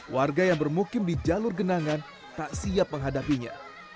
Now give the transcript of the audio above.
warga yang bermukim di jalur genangan tak siap menghadapinya